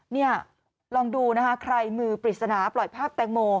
นี่ลองดูนะคะใครมือปริศนาปล่อยภาพแตงโม